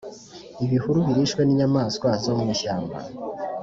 ibihuru birishwe n’inyamaswa zo mu ishyamba.